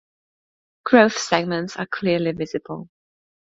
Growth segments are clearly visible.